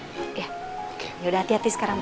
ya yaudah hati hati sekarang